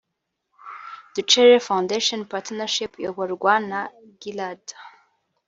Ducere Foundation Partnership iyoborwa na Gillard